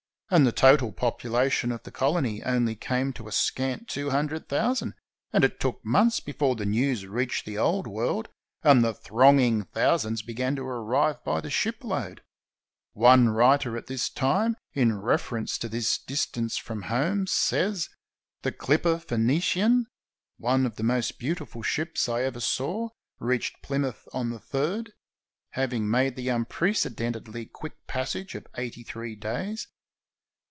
And the total population of the colony only came to a scant two hun dred thousand, and it took months before the news reached the Old World and the thronging thousands began to arrive by the shipload. One writer at this time, in reference to this distance from home, says: "The clipper Phaenacian, one of the most beautiful ships I ever saw, reached Plymouth on the 3d, having made the 490 GOLD, GOLD, GOLD! unprecedentedly quick passage of eighty three days."